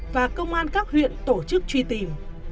và công an các huyện tổ chức truy tìm